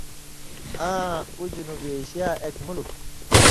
آں اُو جنوبی اېشیاں اک مُلک تُھو،